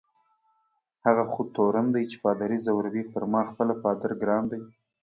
هغه خو تورن دی چي پادري ځوروي، پر ما خپله پادر ګران دی.